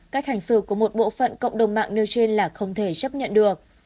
cách hành xử của một bộ phận cộng đồng mạng nêu trên là không thể chấp nhận được